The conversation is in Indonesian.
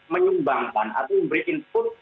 menyumbangkan atau memberikan input